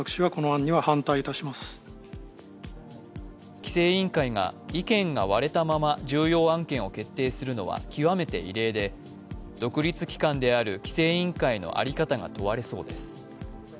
規制委員会が、意見が割れたまま重要案件を決定するのは極めて異例で独立機関である規制委員会の在り方が問われそうです。